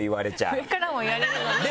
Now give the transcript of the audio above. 上からも言われるので。